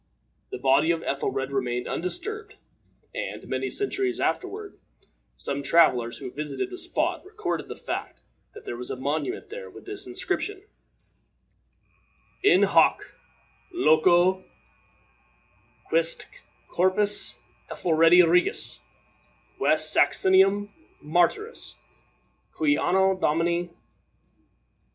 The body of Ethelred remained undisturbed; and, many centuries afterward, some travelers who visited the spot recorded the fact that there was a monument there with this inscription: "IN HOC LOCO QUIESC'T CORPUS ETHELREDI REGIS WEST SAXONUM, MARTYRIS, QUI ANNO DOMINI DCCCLXXI., XXIII.